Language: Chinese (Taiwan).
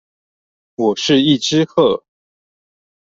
我是一隻鶴